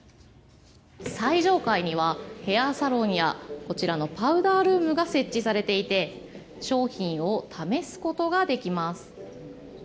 最上階にはヘアサロンやこちらのパウダールームが設置されていて商品を試すことができます。